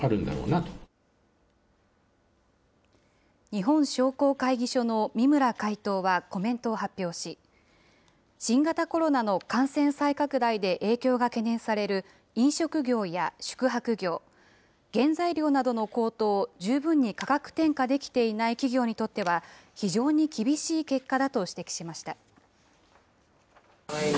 日本商工会議所の三村会頭はコメントを発表し、新型コロナの感染再拡大で影響が懸念される飲食業や宿泊業、原材料などの高騰を十分に価格転嫁できていない企業にとっては非常に厳しい結果だと指摘しました。